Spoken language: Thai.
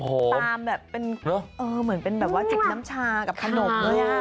เหมือนเป็นแบบว่าจิบน้ำชากับขนมด้วย